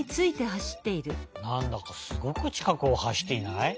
なんだかすごくちかくをはしっていない？